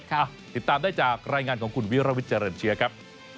ติดตามได้จากรายงานของคุณวิรวิทย์เจริญเชื้อครับ